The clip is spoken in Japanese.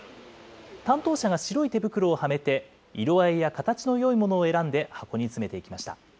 担当者が白い手袋をはめて、色合いや形のよいものを選んで箱に詰めていきました。